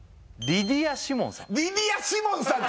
リディア・シモンさん